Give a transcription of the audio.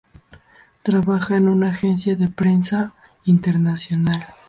Trabaja en una agencia de prensa internacional.